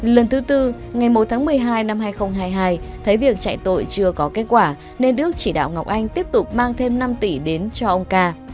lần thứ tư ngày một tháng một mươi hai năm hai nghìn hai mươi hai thấy việc chạy tội chưa có kết quả nên đức chỉ đạo ngọc anh tiếp tục mang thêm năm tỷ đến cho ông ca